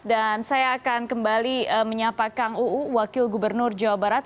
dan saya akan kembali menyapa kang uu wakil gubernur jawa barat